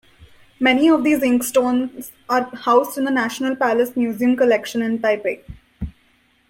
Many of these inkstones are housed in the National Palace Museum collection in Taipei.